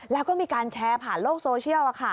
แล้วก็มีการแชร์ผ่านโลกโซเชียล